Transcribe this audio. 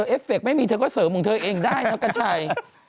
เอฟเฟคไม่มีเธอก็เสริมของเธอเองได้เนอะกัญชัย